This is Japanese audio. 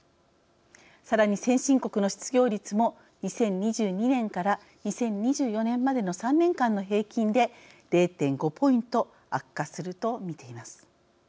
さらに、先進国の失業率も２０２２年から２０２４年までの３年間の平均で０．５ポイント悪化すると見ています。